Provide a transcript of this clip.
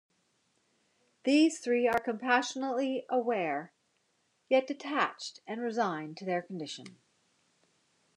These three are compassionately aware, yet detached and resigned to their condition.